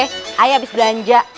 saya habis belanja